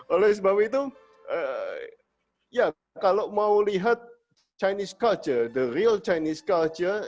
oleh sebab itu ya kalau mau lihat chinese culture the real chinese culture